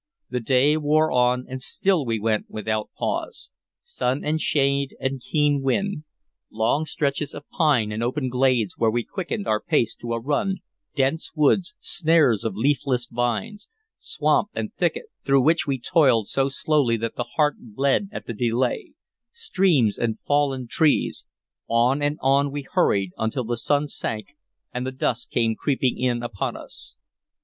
The day wore on, and still we went without pause. Sun and shade and keen wind, long stretches of pine and open glades where we quickened our pace to a run, dense woods, snares of leafless vines, swamp and thicket through which we toiled so slowly that the heart bled at the delay, streams and fallen trees, on and on we hurried, until the sun sank and the dusk came creeping in upon us.